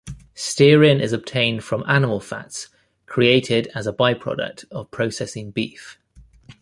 Stearin is obtained from animal fats created as a byproduct of processing beef.